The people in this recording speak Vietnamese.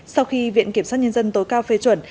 sau khi viện kiểm sát nhân dân tối cao phê chuẩn